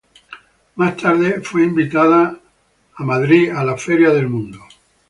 Más tarde fue invitada a Nueva York, a la Feria del Mundo.